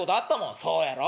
「そうやろ？